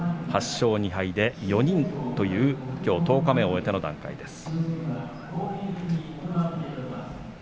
８勝２敗で４人というきょう十日目を終えての段階です。